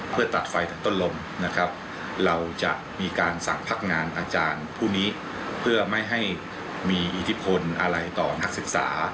เพื่อไม่ให้มีอิทธิพลอะไรต่อนักศึกษา